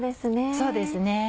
そうですね。